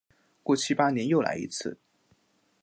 过七八年又来一次。